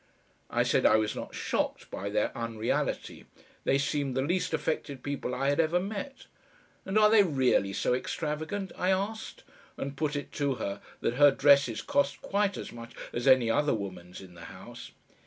I said I was not shocked by their unreality. They seemed the least affected people I had ever met. "And are they really so extravagant?" I asked, and put it to her that her dresses cost quite as much as any other woman's in the house.